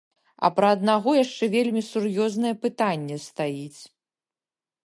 А пра аднаго яшчэ вельмі сур'ёзнае пытанне стаіць.